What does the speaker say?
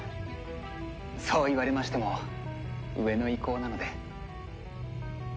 そう言われましても上の意向なので。